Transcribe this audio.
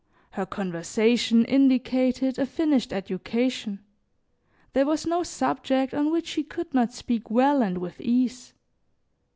Her conversation indicated a finished education; there was no subject on which she could not speak well and with ease.